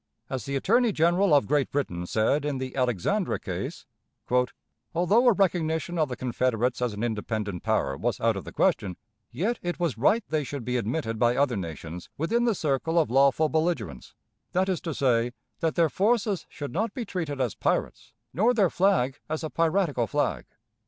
As the Attorney General of Great Britain said in the Alexandra case: "Although a recognition of the Confederates as an independent power was out of the question, yet it was right they should be admitted by other nations within the circle of lawful belligerents that is to say, that their forces should not be treated as pirates, nor their flag as a piratical flag.